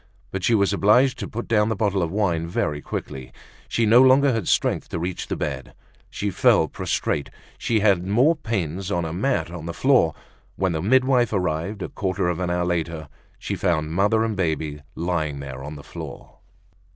But she was obliged to put down the bottle of wine very quickly; she no longer had strength to reach the bed; she fell prostrate, and she had more pains on a mat on the floor. When the midwife arrived, a quarter of an hour later, she found mother and baby lying there on the floor.